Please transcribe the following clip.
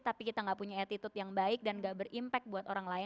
tapi kita nggak punya attitude yang baik dan nggak berimpact buat orang lain